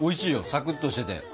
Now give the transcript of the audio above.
サクッとしてて。